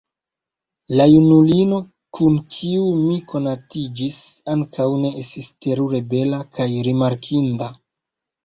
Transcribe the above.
La junulino kun kiu mi konatiĝis, ankaŭ ne estis terure bela kaj rimarkinda.